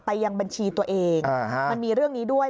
ยังบัญชีตัวเองมันมีเรื่องนี้ด้วย